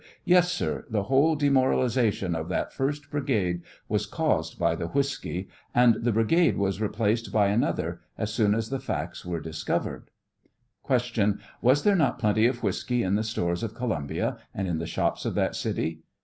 Yes, sir ; the whole demoralization of that first brigade was caused by the whiskey, and the brigade was replaced by another as soon as the facts were dis covered. Q. Was there not plenty of whiskey in the stores of Columbia, and in the shops of that city